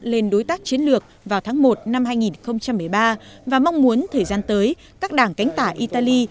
lên đối tác chiến lược vào tháng một năm hai nghìn một mươi ba và mong muốn thời gian tới các đảng cánh tả italy